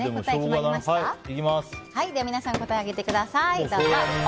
皆さん、答えを上げてください。